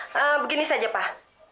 nah begini saja pak